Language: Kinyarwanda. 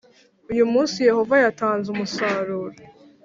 Uyu munsi Yehova yatanze umusaruro